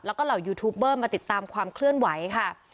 แล้วก็เหล่ายูทูปเบอร์มาติดตามความเคลื่อนไหวค่ะ